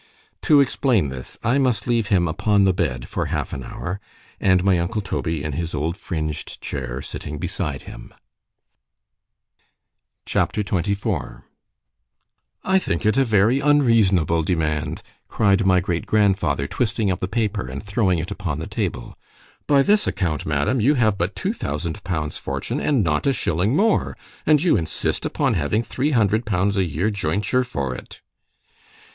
To explain this, I must leave him upon the bed for half an hour—and my uncle Toby in his old fringed chair sitting beside him. C H A P. XXIV ——I THINK it a very unreasonable demand—cried my great grandfather, twisting up the paper, and throwing it upon the table.——By this account, madam, you have but two thousand pounds fortune, and not a shilling more—and you insist upon having three hundred pounds a year jointure for it.